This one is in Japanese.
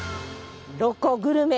ロコグルメ